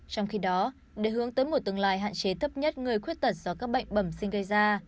trong khi đó để hướng tới một tương lai hạn chế thấp nhất người khuyết tật do các bệnh bẩm sinh gây ra